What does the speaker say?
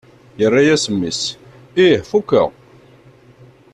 Yerra-as mmi-s: Ih fukeɣ!